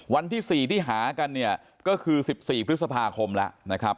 วันที่๔ที่หากันเนี่ยก็คือ๑๔พฤษภาคมแล้วนะครับ